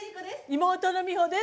妹の美穂です。